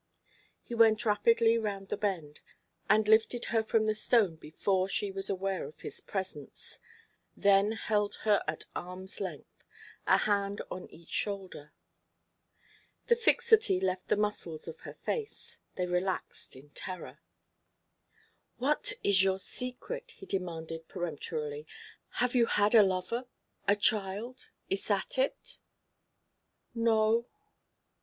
He went rapidly round the bend, and lifted her from the stone before she was aware of his presence, then held her at arm's length, a hand on each shoulder. The fixity left the muscles of her face. They relaxed in terror. "What is your secret?" he demanded, peremptorily. "Have you had a lover a child? Is that it?" "No."